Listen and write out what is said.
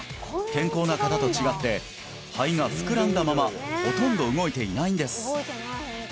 健康な方と違って肺が膨らんだままほとんど動いていないんです